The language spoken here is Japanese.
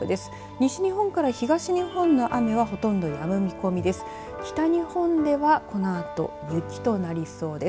西日本から東日本の雨はほとんどやむ見込みです。